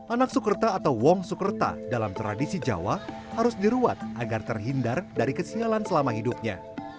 anak sukerta atau wong sukerta dalam tradisi jawa harus diruat agar terhindar dari kesialan selama hidupnya